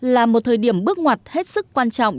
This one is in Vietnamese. là một thời điểm bước ngoặt hết sức quan trọng